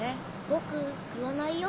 僕言わないよ。